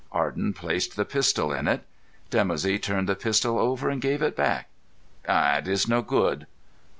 Arden placed the pistol in it. Dimoussi turned the pistol over, and gave it back. "It is no good."